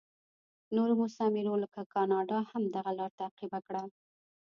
نورو مستعمرو لکه کاناډا هم دغه لار تعقیب کړه.